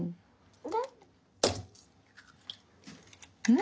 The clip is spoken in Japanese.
ん？